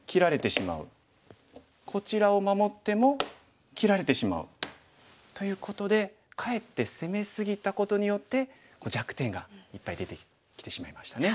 こちらを守っても切られてしまう。ということでかえって攻め過ぎたことによって弱点がいっぱい出てきてしまいましたね。